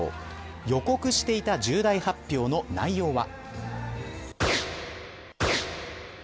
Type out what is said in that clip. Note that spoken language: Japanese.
予告していた重大発表の内容は。